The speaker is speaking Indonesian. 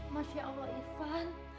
masya allah ivan